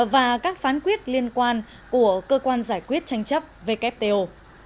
và các phán quyết liên quan của cơ quan giải quyết tranh chấp wto